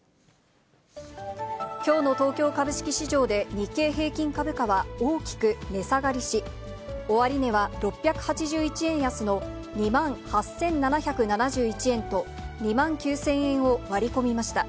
きょうの東京株式市場で、日経平均株価は大きく値下がりし、終値は６８１円安の２万８７７１円と、２万９０００円を割り込みました。